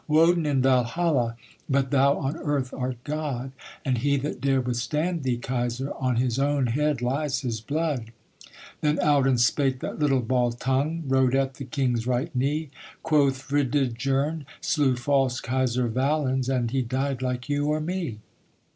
'Woden in Valhalla, But thou on earth art God; And he that dare withstand thee, Kaiser, On his own head lies his blood.' Then out and spake that little Baltung, Rode at the king's right knee, Quoth 'Fridigern slew false Kaiser Valens, And he died like you or me.'